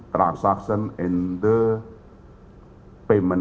transaksi di sistem pembayaran